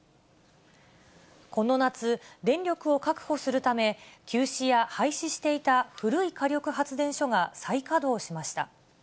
この夏、電力を確保するため、休止や廃止していた古い火力発電所が再稼働しました。